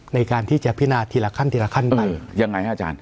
ในการที่จะพินาทีละขั้นทีละขั้นไปยังไงฮะอาจารย์